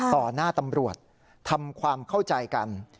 หน้าตำรวจทำความเข้าใจกัน